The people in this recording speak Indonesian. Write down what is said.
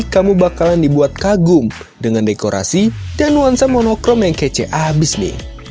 kamu bakalan dibuat kagum dengan dekorasi dan nuansa monokrom yang kca habis nih